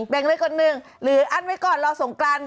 เบ่งเลยกดหนึ่งหรืออั้นไว้ก่อนรอส่งกัน